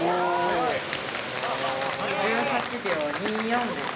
１８秒２４です。